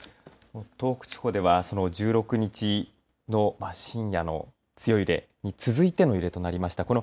東北地方では、その１６日の深夜の強い揺れに続いての揺れとなりました。